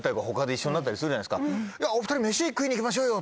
お２人に「飯食いに行きましょうよ」って